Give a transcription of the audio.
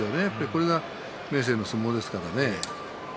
これは明生の相撲ですからね。